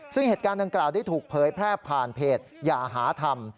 ซึ่งเหตุการณ์ดังกล่าวได้ถูกเผยแพร่ผ่านเพจอย่าหาทำ